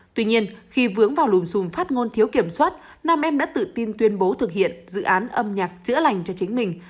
tuy nhiên khi vướng vào lùm xùm phát ngôn thiếu kiểm soát nam em đã tự tin tuyên bố thực hiện dự án âm nhạc chữa lành cho chính mình